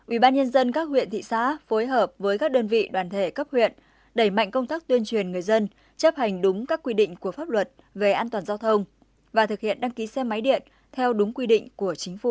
ubnd các huyện thị xã phối hợp với các đơn vị đoàn thể cấp huyện đẩy mạnh công tác tuyên truyền người dân chấp hành đúng các quy định của pháp luật về an toàn giao thông và thực hiện đăng ký xe máy điện theo đúng quy định của chính phủ